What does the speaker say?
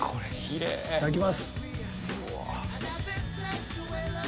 いただきます。